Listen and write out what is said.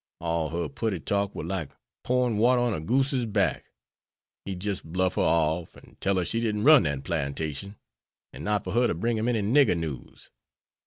All her putty talk war like porin water on a goose's back. He'd jis' bluff her off, an' tell her she didn't run dat plantation, and not for her to bring him any nigger news.